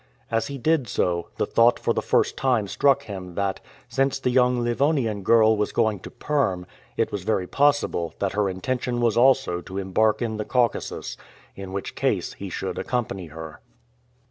As he did so, the thought for the first time struck him that, since the young Livonian girl was going to Perm, it was very possible that her intention was also to embark in the Caucasus, in which case he should accompany her.